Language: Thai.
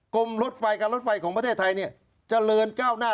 กรมรถไฟกับรถไฟของประเทศไทยเนี่ยจะเริ่นเก้าหน้า